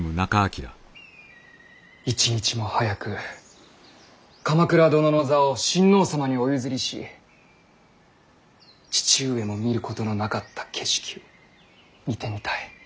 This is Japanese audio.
一日も早く鎌倉殿の座を親王様にお譲りし父上も見ることのなかった景色を見てみたい。